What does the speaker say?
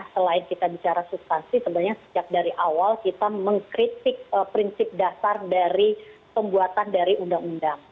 selain kita bicara substansi sebenarnya sejak dari awal kita mengkritik prinsip dasar dari pembuatan dari undang undang